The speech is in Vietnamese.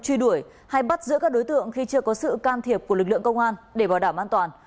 có những hành động truy đuổi hay bắt giữa các đối tượng khi chưa có sự can thiệp của lực lượng công an để bảo đảm an toàn